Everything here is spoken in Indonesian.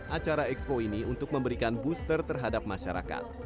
acara expo ini untuk memberikan booster terhadap masyarakat